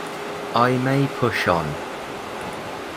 I may push on.